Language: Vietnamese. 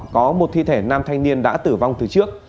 có một thi thể nam thanh niên đã tử vong từ trước